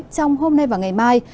trong hôm nay và ngày mai